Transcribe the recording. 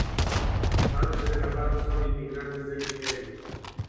Los padres de Lawal son inmigrantes de Nigeria.